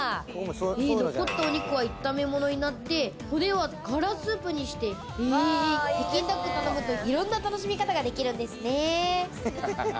残ったお肉は炒め物になって、骨はガラスープにして北京ダック頼むと、いろんな楽しみ方ができるんですね。